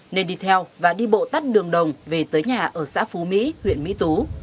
nên đi theo và đi bộ tắt đường đồng về tới nhà ở xã phú mỹ huyện mỹ tú